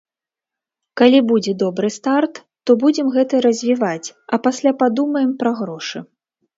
Калі будзе добры старт, то будзем гэта развіваць, а пасля падумаем пра грошы.